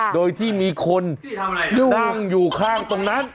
โดยที่มีคนนั่งอยู่ข้างตรงนั้น